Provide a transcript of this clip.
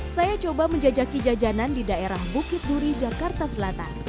saya coba menjajaki jajanan di daerah bukit duri jakarta selatan